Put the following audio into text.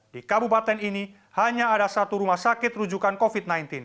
di kabupaten ini hanya ada satu rumah sakit rujukan covid sembilan belas